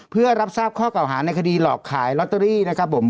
เพื่อรับทราบข้อเก่าหาในคดีหลอกขายลอตเตอรี่นะครับผม